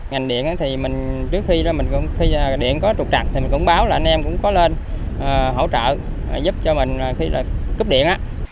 ngành điện thì trước khi điện có trục trặc thì mình cũng báo là anh em cũng có lên hỗ trợ giúp cho mình cấp điện